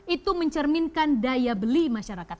itu mencerminkan daya beli masyarakat